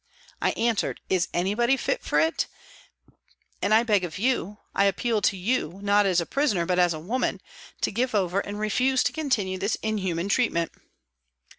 I answered, " Is any body fit for it ? And I beg of you I appeal to you, not as a prisoner but as a woman to give over and refuse to continue this inhuman treatment."